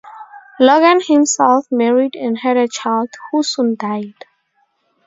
Logan himself married and had a child, who soon died.